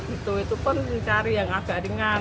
tiga kilo itu pun mencari yang agak ringan